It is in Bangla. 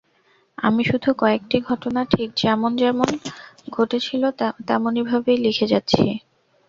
আমি শুধু কয়েকটি ঘটনা ঠিক যেমন যেমন ঘটেছিল তেমনিভাবেই লিখে যাচ্ছি।